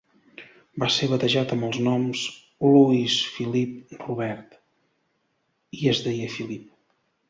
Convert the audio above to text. Va ser batejat amb els noms "Louis-Philippe-Robert", i es deia Philippe.